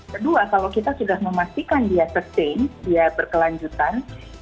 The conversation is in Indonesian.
kedua kalau kita sudah memastikan dia sustain dia berkelanjutan